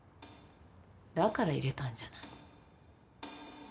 だから入れたんじゃない。